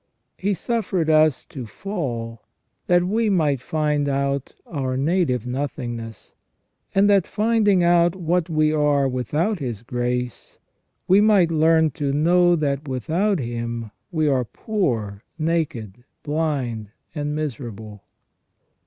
He suffered us to fall, that we might find out our native nothingness; and that, finding out what we are without His grace, we might learn to know that without Him w^e are poor, naked, blind, and miserable.